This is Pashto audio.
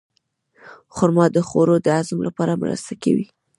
خرما د خوړو د هضم لپاره مرسته کوي.